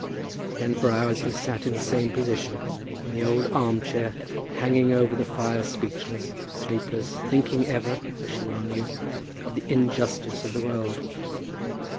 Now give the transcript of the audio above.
Then for hours he sat in the same position, in the old arm chair, hanging over the fire speechless, sleepless, thinking ever, as she well knew, of the injustice of the world.